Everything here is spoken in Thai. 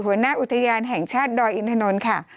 หัวหน้าอุทยานแห่งชาติดอยอินทนนท์ค่ะ